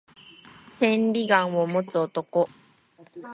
千里眼を持つ男